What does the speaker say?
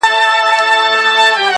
اوبولې یې ریشتیا د زړونو مراندي-